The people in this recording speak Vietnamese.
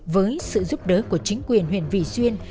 với sự giúp đỡ của chính quyền huyện vị xuyên